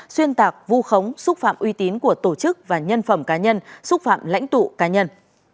xuyên tạc vu khống xúc phạm uy tín của tổ chức và nhân phẩm cá nhân xúc phạm lãnh tụ cá nhân